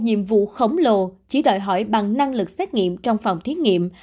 nhiều khổng lồ chỉ đợi hỏi bằng năng lực xét nghiệm trong phòng thiết nghiệm